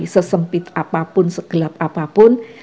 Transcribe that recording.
sesempit apapun segelap apapun